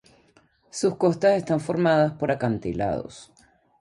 Sus costas están formadas por acantilados.